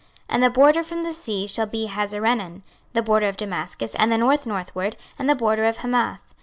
26:047:017 And the border from the sea shall be Hazarenan, the border of Damascus, and the north northward, and the border of Hamath.